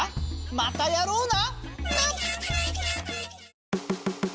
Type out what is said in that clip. またやろうな！な！